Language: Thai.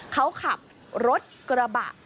เขาขับรถกระบะ